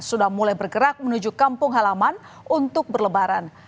sudah mulai bergerak menuju kampung halaman untuk berlebaran